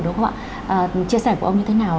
đúng không ạ chia sẻ của ông như thế nào